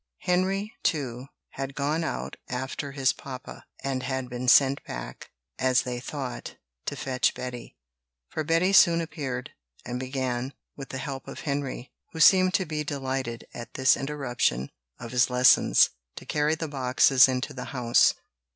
Henry, too, had gone out after his papa, and had been sent back, as they thought, to fetch Betty; for Betty soon appeared, and began, with the help of Henry, who seemed to be delighted at this interruption of his lessons, to carry the boxes into the house.